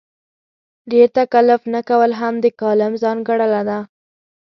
ډېر تکلف نه کول هم د کالم ځانګړنه ده.